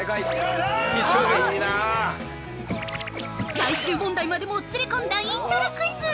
◆最終問題までもつれ込んだイントロクイズ。